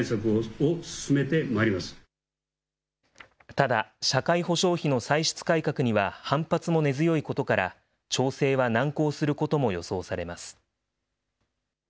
ただ、社会保障費の歳出改革には、反発も根強いことから、調整は難航することも予想されます。